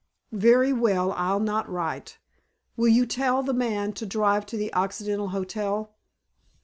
"Very well, I'll not write. Will you tell the man to drive to the Occidental Hotel?"